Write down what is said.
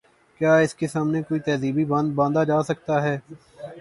کیا اس کے سامنے کوئی تہذیبی بند باندھا جا سکتا ہے؟